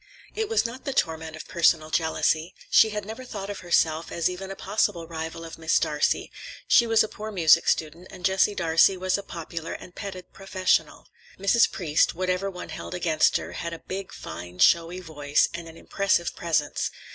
It was not the torment of personal jealousy. She had never thought of herself as even a possible rival of Miss Darcey. She was a poor music student, and Jessie Darcey was a popular and petted professional. Mrs. Priest, whatever one held against her, had a fine, big, showy voice and an impressive presence.